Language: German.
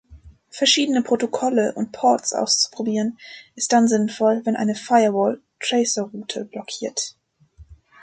Verschiedene Protokolle und Ports auszuprobieren ist dann sinnvoll, wenn eine Firewall Traceroute blockiert.